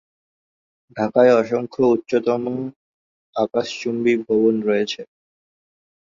ঢাকায় অসংখ্য উচ্চতম আকাশচুম্বী ভবন রয়েছে।